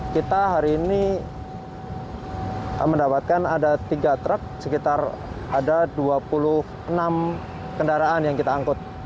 kita hari ini mendapatkan ada tiga truk sekitar ada dua puluh enam kendaraan yang kita angkut